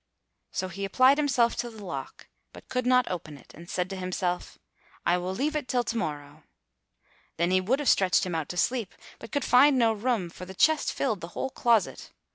So he applied himself to the lock, but could not open it, and said to himself, "I will leave it till to morrow." Then he would have stretched him out to sleep, but could find no room; for the chest filled the whole closet.